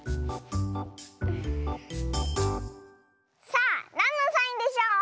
さあなんのサインでしょう？